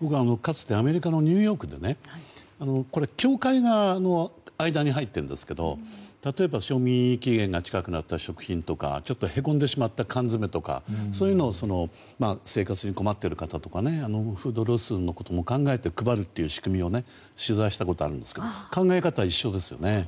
僕はかつて、アメリカのニューヨークで、教会が間に入っているんですけども例えば賞味期限が近くなった食品とかちょっとへこんでしまった缶詰とか生活に困っている方とかフードロスのことも考えて配るという仕組みを取材したことがあるんですが考え方は一緒ですね。